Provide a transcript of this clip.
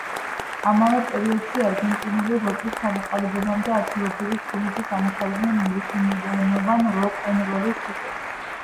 ამ პერიოდში, არგენტინული როკის ჩამოყალიბებამდე, ადგილობრივი ჯგუფები ამუშავებდნენ ინგლისურენოვან როკ-ენ-როლის ჰიტებს.